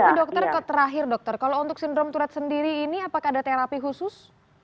tapi dokter terakhir dokter kalau untuk sindrom turut sendiri ini apakah ada terapi khusus